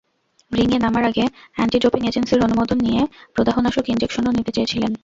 রিংয়ে নামার আগে অ্যান্টিডোপিং এজেন্সির অনুমোদন নিয়ে প্রদাহনাশক ইনজেকশনও নিতে চেয়েছিলেন।